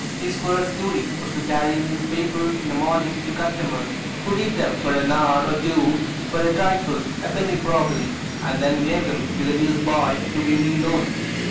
His first duty was to carry newspapers in the morning to customers, who read them for an hour or two for a trifle, a penny probably, and then gave them to the newsboy to be re loaned.